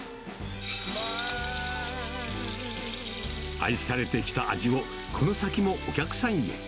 愛されてきた味を、この先もお客さんへ。